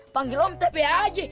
panggil om tepi aja